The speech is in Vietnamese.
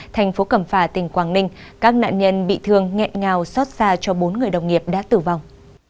thành phố cẩm phả tỉnh quảng ninh các nạn nhân bị thương nghẹn ngào xót xa cho bốn người đồng nghiệp đã tử vong